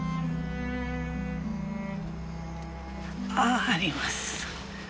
ああります。